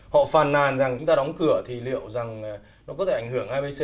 họ phàn nàn rằng chúng ta đóng cửa thì liệu rằng nó có thể ảnh hưởng abc